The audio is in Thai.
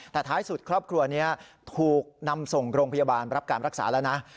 แต่ท้ายสุดครอบครัวนี้ถูกนำส่งโรงพยาบาลรับการรักษาแล้วนะ